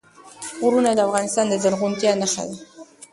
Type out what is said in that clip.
غرونه د افغانستان د زرغونتیا نښه ده.